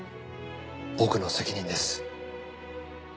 僕の責任です。